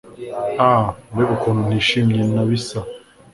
Ah mbega ukuntu ntishimye nabisa